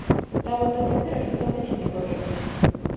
La votación se realizó mediante correo.